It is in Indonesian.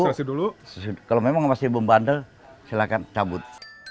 kalau memang masih bumbandel silahkan cabut